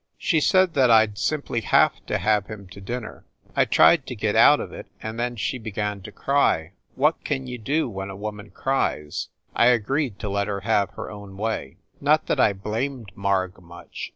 She said that I d simply have to have him to dinner. I tried to get out of it, and then she began to cry. What can you do when a woman cries ? I agreed to let her have her own way. Not that I blamed Marg much.